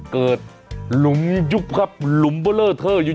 เกิดหลุมยุบครับหลุมเบลอเท่า